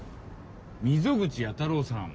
溝口弥太郎さん。